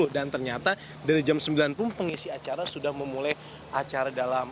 dan ternyata dari jam sembilan pun pengisi acara sudah memulai acara dalam